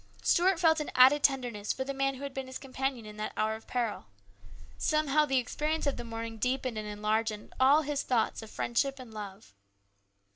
Stuart felt an added tender ness for the man who had been his companion in that hour of peril. Somehow the experience of the morning deepened and enlarged all his thoughts of friendship and love.